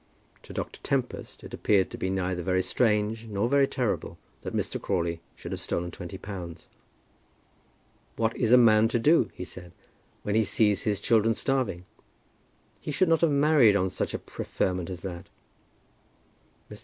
To Dr. Tempest it appeared to be neither very strange nor very terrible that Mr. Crawley should have stolen twenty pounds. "What is a man to do," he said, "when he sees his children starving? He should not have married on such a preferment as that." Mr.